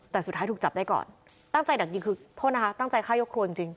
แต่สุดท้ายถูกจับได้ก่อนตั้งใจดักยิงคือโทษนะคะตั้งใจฆ่ายกครัวจริง